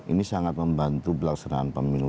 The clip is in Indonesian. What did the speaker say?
ini sangat membantu pelaksanaan pemilu